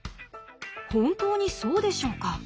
本当にそうでしょうか？